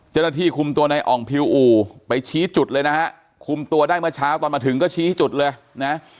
เจ้าหน้าที่คุมตัวในอ่องพิวอู่ไปชี้จุดเลยนะฮะคุมตัวได้เมื่อเช้าตอนมาถึงก็ชี้จุดเลยนะ